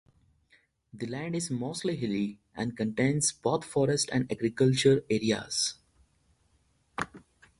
The land is mostly hilly and contains both forest and agricultural areas.